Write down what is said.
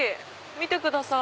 見てください。